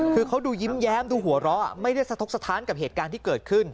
คือเขาดูยิ้มแย้มดูหัวเราะไม่ได้สะทกสถานกับเหตุการณ์ที่เกิดขึ้น